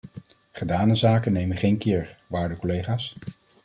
Gedane zaken nemen geen keer, waarde collega's.